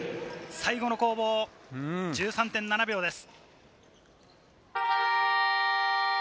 最後の攻防、１３．７秒です。